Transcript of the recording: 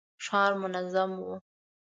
ښار منظم و.